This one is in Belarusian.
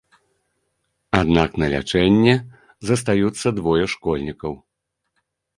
Аднак на лячэнні застаюцца двое школьнікаў.